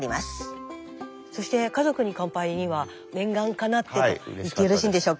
そして「家族に乾杯」には念願かなってと言ってよろしいんでしょうか？